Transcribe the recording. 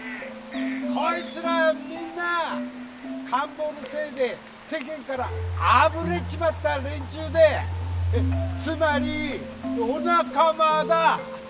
こいつらみんな感冒のせいで世間からあぶれちまった連中でつまりお仲間だ！